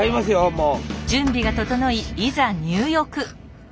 もう。